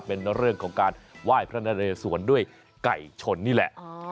เป็นเรื่องของการไหว้พระนเรสวนด้วยไก่ชนนี่แหละ